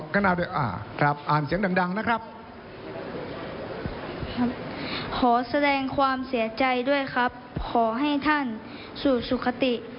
ขอแสดงความเสียใจด้วยครับขอให้ท่านสู่สุขติ